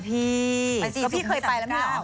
ไปชิมสุขุมศิษย์๓๙นี่หรอพี่เคยไปแล้วมั้ยเหรอ